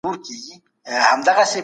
خپله لاره په دقت سره وټاکئ.